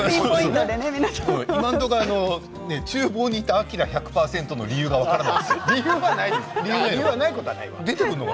今のところちゅう房にいたアキラ１００％の理由が分からない。